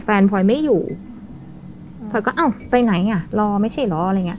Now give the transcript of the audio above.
แต่แฟนพอยไม่อยู่พอยก็เอ้าไปไหนอ่ะรอไม่ใช่รออะไรอย่างเงี้ย